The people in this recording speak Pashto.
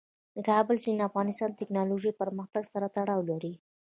د کابل سیند د افغانستان د تکنالوژۍ پرمختګ سره تړاو لري.